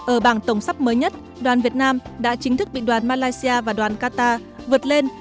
ở bảng tổng sắp mới nhất đoàn việt nam đã chính thức bị đoàn malaysia và đoàn qatar vượt lên